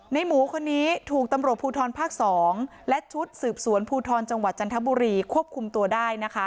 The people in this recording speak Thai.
หมูคนนี้ถูกตำรวจภูทรภาค๒และชุดสืบสวนภูทรจังหวัดจันทบุรีควบคุมตัวได้นะคะ